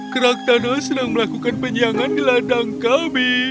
krakthana senang melakukan penyiangan di ladang kami